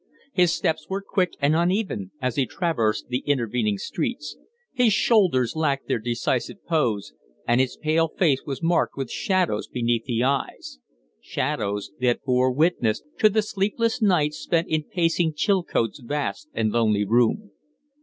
His steps were quick and uneven as he traversed the intervening streets; his shoulders lacked their decisive pose, and his pale face was marked with shadows beneath the eyes shadows that bore witness to the sleepless night spent in pacing Chilcote's vast and lonely room.